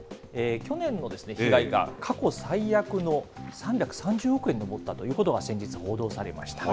去年の被害が過去最悪の３３０億円に上ったということが先日、報道されました。